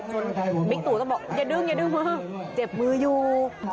บิ๊กตู่ก็บอกอย่าดึงอย่าดึงมือเจ็บมืออยู่